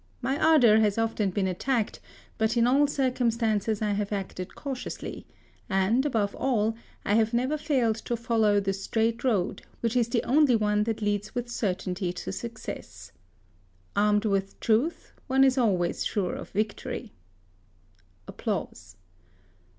My ardour has often been at tacked ; but in all circumstances I have acted cautiously, and, above all, I have never failed to follow the straight road, which is the only one that leads with cer 26 HISTORY OF tainty to success. Armed with truth, one is always sure of victory.